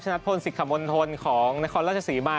ชนะทพลสิกขมนธลของนครราชสีมา